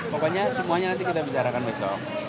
pokoknya semuanya nanti kita bicarakan besok